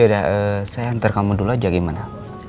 yaudah saya hantar kamu dulu aja gimana